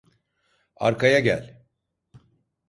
Arkaya gel.